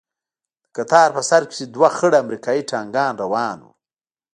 د کتار په سر کښې دوه خړ امريکايي ټانکان روان وو.